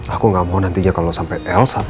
aku gak mau nantinya kalau saya menutupi ini rapat rapat